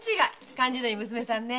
感じのいい娘さんね。